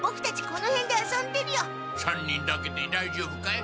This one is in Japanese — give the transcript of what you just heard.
３人だけでだいじょうぶかい？